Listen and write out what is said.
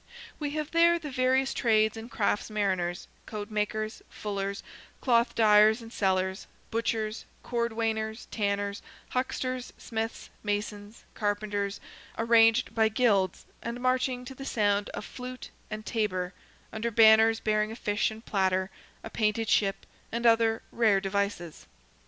We have there the various trades and crafts mariners, coat makers, fullers, cloth dyers and sellers, butchers, cordwainers, tanners, hucksters, smiths, masons, carpenters, arranged by guilds, and marching to the sound of flute and tabor, under banners bearing a fish and platter, a painted ship, and other "rare devices."